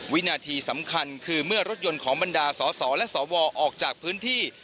วินาทีสำคัญคือเมื่อรถยนต์ของบรรดาสอสอและสวออกจากพื้นที่